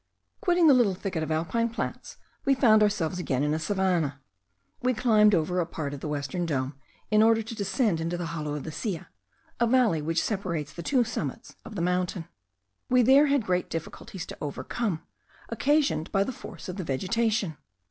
Quitting the little thicket of alpine plants, we found ourselves again in a savannah. We climbed over a part of the western dome, in order to descend into the hollow of the Silla, a valley which separates the two summits of the mountain. We there had great difficulties to overcome, occasioned by the force of the vegetation.